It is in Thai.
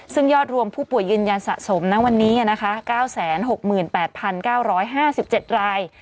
ซึ่งยอดรวมผู้ป่วยยืนยันสะสมณวันนี้๙๖๘๙๕๗ราย